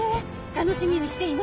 楽しみにしています。